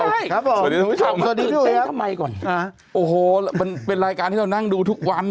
ครับผมสวัสดีทุกคนครับทำไมก่อนอ่าโอ้โหเป็นเป็นรายการที่เรานั่งดูทุกวัน